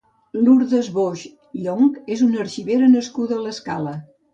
Lurdes Boix Llonch és una arxivera nascuda a l'Escala.